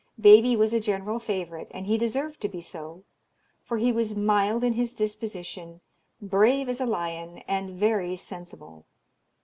Baby was a general favourite, and he deserved to be so; for he was mild in his disposition, brave as a lion, and very sensible.